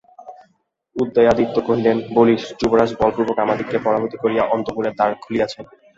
উদয়াদিত্য কহিলেন, বলিস, যুবরাজ বলপূর্বক আমাদিগকে পরাভূত করিয়া অন্তঃপুরের দ্বার খুলিয়াছেন।